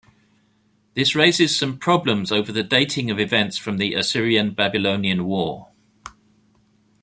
This raises some problems over the dating of events from the Assyrian-Babylonian war.